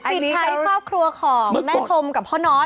ปิดท้ายครอบครัวของแม่ชมกับพ่อนอท